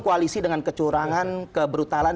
koalisi dengan kecurangan kebrutalan